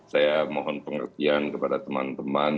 saya mohon pengertian kepada teman teman